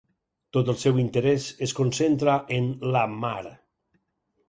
Tot el seu interès es concentra en la Mar.